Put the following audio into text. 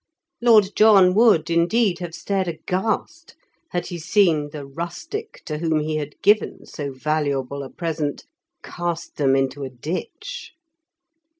Lord John would, indeed, have stared aghast had he seen the rustic to whom he had given so valuable a present cast them into a ditch.